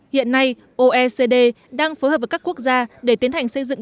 hiện nay oecd đang phối hợp với các quốc gia để tiến hành xây dựng